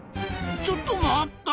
ちょっと待った！